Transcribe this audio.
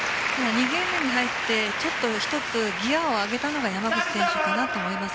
２ゲーム目に入ってちょっと一つギアを上げたのが山口選手かなと思います。